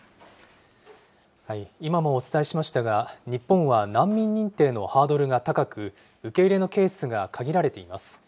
今もお伝えしましたが、日本は難民認定のハードルが高く、受け入れのケースが限られています。